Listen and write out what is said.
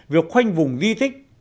việc khoanh vùng di tích